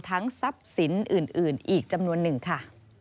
ทรัพย์สินอื่นอีกจำนวนหนึ่งค่ะ